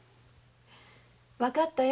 分かったよ